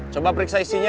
coba periksa isinya